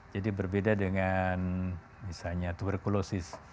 jadi berbeda dengan misalnya tuberkulosis